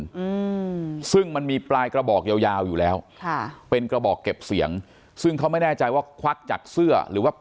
อืมซึ่งมันมีปลายกระบอกยาวยาวอยู่แล้วค่ะเป็นกระบอกเก็บเสียงซึ่งเขาไม่แน่ใจว่าควักจากเสื้อหรือว่า